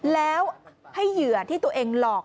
แล้วให้เหยื่อที่ตัวเองหลอก